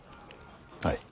はい。